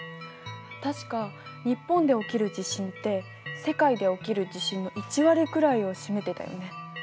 確か日本で起きる地震って世界で起きる地震の１割くらいを占めてたよね。